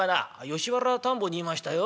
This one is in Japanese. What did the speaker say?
「吉原田圃にいましたよ。